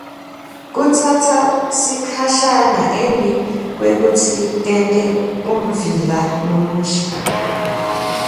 Kutsatsa sikhashana embi kwekutsi tente umvila lomusha.